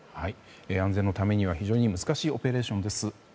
安全のためには非常に難しいオペレーション。